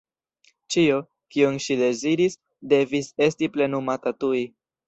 Ĉio, kion ŝi deziris, devis esti plenumata tuj.